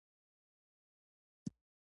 تطبیق څومره وخت نیسي؟